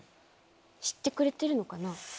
知ってくれてるのかな？